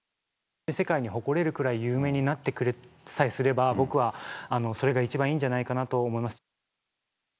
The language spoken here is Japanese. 世界に誇れるくらい有名になってくれさえすれば、僕はそれが一番いいんじゃないかなと思います。